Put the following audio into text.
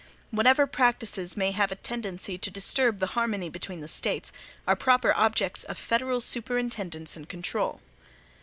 Whatever practices may have a tendency to disturb the harmony between the States, are proper objects of federal superintendence and control.